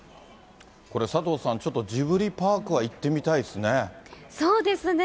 これ、佐藤さん、ちょっとジブリパークは行ってみたいですね。